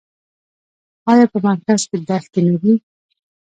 آیا په مرکز کې دښتې نه دي؟